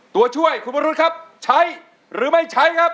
ตัวช่วยคุณวรุษครับใช้หรือไม่ใช้ครับ